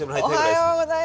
おはようございま。